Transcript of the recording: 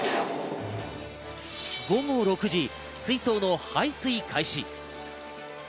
午後６時、水槽の排水開始。